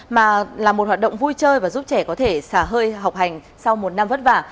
mà là một hoạt động vui chơi và giúp trẻ có thể xả hơi học hành sau một năm vất vả